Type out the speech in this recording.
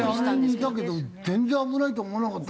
俺あの辺にいたけど全然危ないと思わなかった。